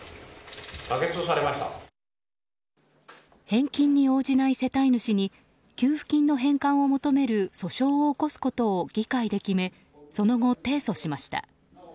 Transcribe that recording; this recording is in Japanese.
返金に応じない世帯主に給付金の返還を求める訴訟を起こすことを議会で決めその後、提訴しました。